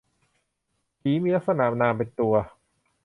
ผีมีลักษณะนามเป็นตัว